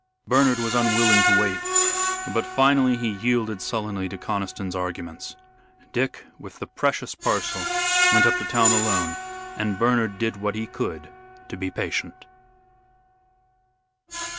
Bernard was unwilling to wait, but finally he yielded sullenly to Conniston's arguments. Dick with the precious parcel went up to town alone, and Bernard did what he could to be patient.